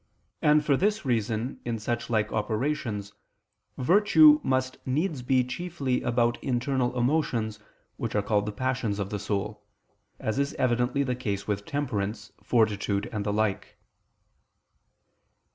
And for this reason in such like operations virtue must needs be chiefly about internal emotions which are called the passions of the soul, as is evidently the case with temperance, fortitude and the like.